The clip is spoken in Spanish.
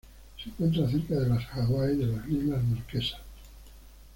Se encuentra cerca de las Hawaii y de las Islas Marquesas.